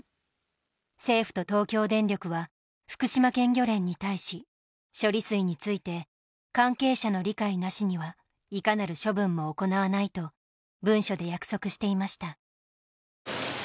政府と東京電力は福島県漁連に対し処理水について「関係者の理解なしにはいかなる処分も行わない」と文書で約束していました。